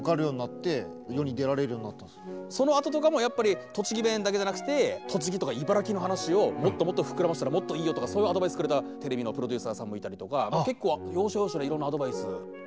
そのあととかもやっぱり栃木弁だけじゃなくて栃木とか茨城の話をもっともっと膨らましたらもっといいよとかそういうアドバイスくれたテレビのプロデューサーさんもいたりとか結構要所要所でいろんなアドバイス。